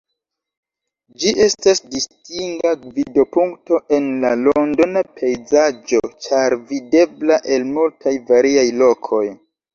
Ĝi estas distinga gvido-punkto en la londona pejzaĝo, ĉar videbla el multaj variaj lokoj.